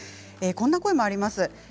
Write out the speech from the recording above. こんな声があります。